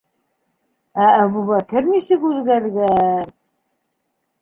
Ә Әбүбәкер нисек үҙгәргән?!